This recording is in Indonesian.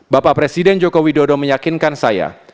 bapak presiden joko widodo meyakinkan saya